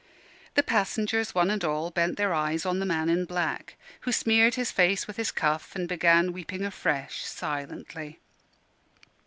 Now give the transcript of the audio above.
The passengers, one and all, bent their eyes on the man in black, who smeared his face with his cuff, and began weeping afresh, silently.